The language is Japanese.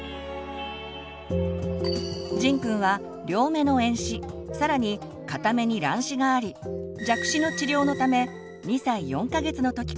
じんくんは両目の遠視更に片目に乱視があり弱視の治療のため２歳４か月の時からめがねをかけています。